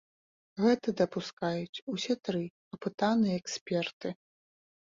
Гэта дапускаюць усе тры апытаныя эксперты.